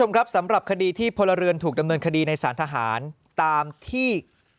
หากเข้าเรือนถูกดำเนินคดีในศาลทหารตามที่